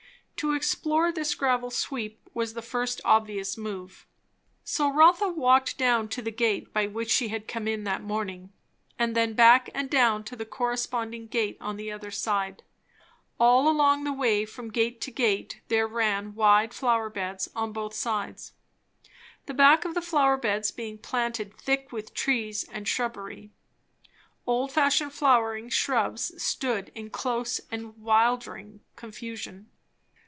To explore this gravel sweep was the first obvious move. So Rotha walked down to the gate by which she had come in that morning, and then back and down to the corresponding gate on the other side. All along the way from gate to gate, there ran wide flower beds on both sides; the back of the flower beds being planted thick with trees and shrubbery. Old fashioned flowering shrubs stood in close and wildering confusion.